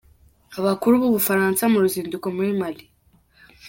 Abakuru b’u Bufaransa mu ruzinduko muri Mali